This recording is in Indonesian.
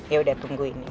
yaudah tungguin ya